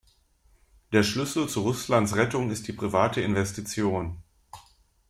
Der Schlüssel zu Russlands Rettung ist die private Investition.